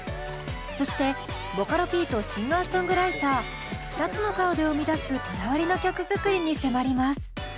そしてボカロＰとシンガーソングライター２つの顔で生み出すこだわりの曲作りに迫ります。